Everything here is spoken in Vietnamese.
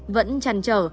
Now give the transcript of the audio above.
vẫn tràn trở